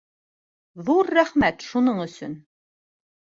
Ҙур рәхмәт шуның өсөн!